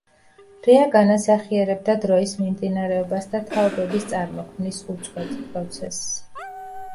რეა განასახიერებდა დროის მიმდინარეობას და თაობების წარმოქმნის უწყვეტ პროცესს.